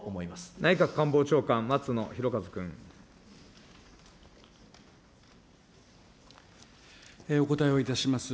内閣官房長官、お答えをいたします。